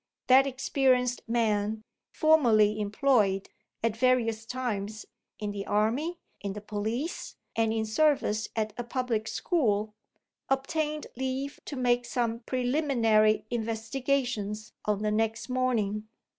That experienced man formerly employed, at various times, in the army, in the police, and in service at a public school obtained leave to make some preliminary investigations on the next morning.